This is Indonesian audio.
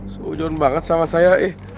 seujun banget sama saya